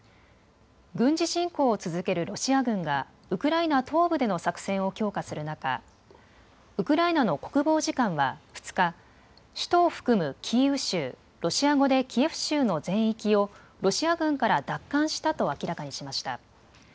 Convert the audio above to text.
軍事侵攻を続けるロシア軍がウクライナ東部での作戦を強化する中、ウクライナの国防次官は２日、首都を含むキーウ州、ロシア語でキエフ州の全域をロシア軍から奪還したと明らかにしました。